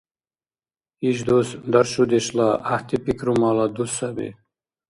Ишдус даршудешла, гӀяхӀти пикрумала дус саби.